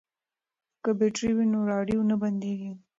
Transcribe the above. که بیټرۍ وي نو راډیو نه بندیږي.